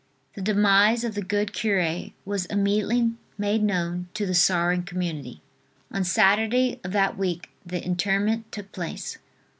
The demise of the good cure was immediately made known to the sorrowing community. On Saturday of that week the interment took place.